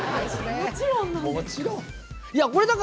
もちろんなんですか。